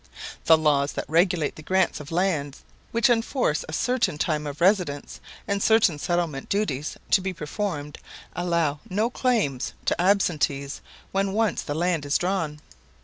The laws that regulate the grants of lands, which enforce a certain time of residence, and certain settlement duties to be performed, allow no claims to absentees when once the land is drawn.